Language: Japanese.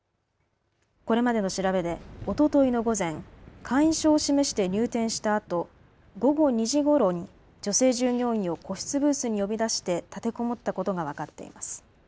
これまでの調べでおとといの午前、会員証を示して入店したあと午後２時ごろに女性従業員を個室ブースに呼び出して立てこもったことが分かっています。